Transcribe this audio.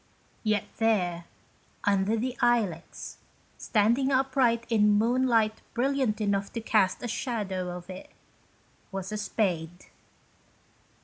Yet there, under the Ilex, standing upright in moonlight brilliant enough to cast a shadow of it, was a spade.